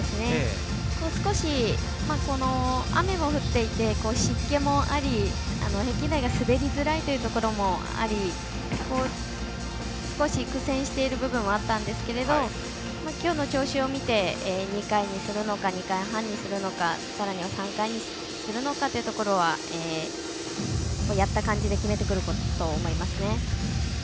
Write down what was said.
少し、雨も降っていて湿気もあり、平均台が滑りづらいというところもあり少し苦戦している部分はあったんですけどもきょうの調子を見て２回にするのか２回半にするのかさらには３回にするのかというところはやった感じで決めてくると思います。